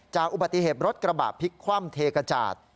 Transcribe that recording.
อุบัติเหตุรถกระบะพลิกคว่ำเทกระจาด